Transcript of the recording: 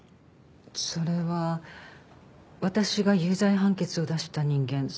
それは私が有罪判決を出した人間その関係者。